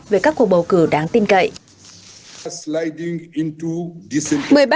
về các cuộc bầu cử đáng tin cậy